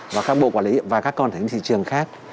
và các bộ quản lý và các con thánh thị trường khác